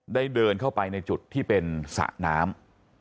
เดินเข้าไปในจุดที่เป็นสระน้ำ